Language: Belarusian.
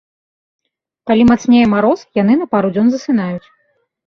Калі мацнее мароз, яны на пару дзён засынаюць.